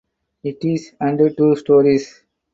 It is and two stories.